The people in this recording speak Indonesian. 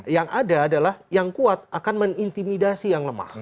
yang ada adalah yang kuat akan mengintimidasi yang lemah